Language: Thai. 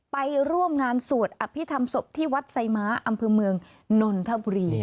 ไปร่วมงานสวดอภิษฐรรมศพที่วัดไซม้าอำเภอเมืองนนทบุรี